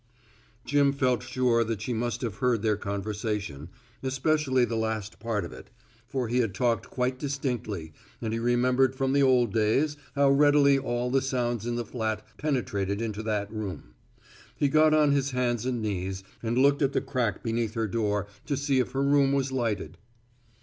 Jim felt sure that she must have heard their conversation, especially the last part of it, for he had talked quite distinctly and he remembered from the old days how readily all the sounds in the flat penetrated into that room. He got on his hands and knees and looked at the crack beneath her door to see if her room was lighted.